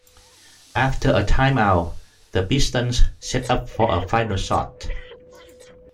After a time out, the Pistons set up for a final shot.